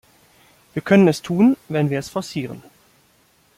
Wir können es tun, wenn wir es forcieren.